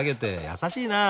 優しいなあ。